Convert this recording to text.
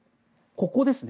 ここですね。